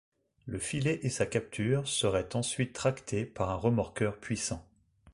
Le filet et sa capture seraient ensuite tractés par un remorqueur puissant.